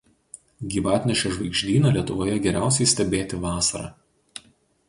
Gyvatnešio žvaigždyną Lietuvoje geriausiai stebėti vasarą.